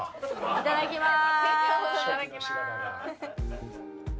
いただきまーす。